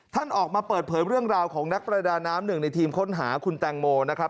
ท่านออกมาเปิดเผยเรื่องราวของนักประดาน้ำหนึ่งในทีมค้นหาคุณแตงโมนะครับ